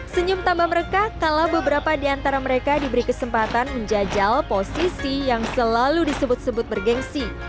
senyum tambah mereka kala beberapa di antara mereka diberi kesempatan menjajal posisi yang selalu disebut sebut bergensi